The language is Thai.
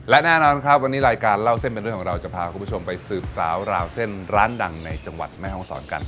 และแน่นอนครับวันนี้รายการเล่าเส้นเป็นเรื่องของเราจะพาคุณผู้ชมไปสืบสาวราวเส้นร้านดังในจังหวัดแม่ห้องศรกัน